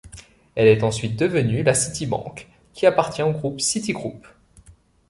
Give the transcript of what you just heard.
Elle est ensuite devenue la Citibank, qui appartient au groupe Citigroup.